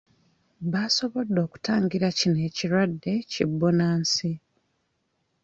Basobodde okutangira kino ekiwadde ki bbunansi